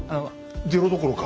ゼロどころか。